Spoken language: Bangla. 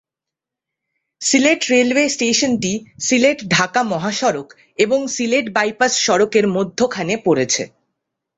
সিলেট রেলওয়ে স্টেশনটি সিলেট-ঢাকা মহাসড়ক এবং সিলেট বাইপাস সড়কের মধ্যখানে পড়েছে।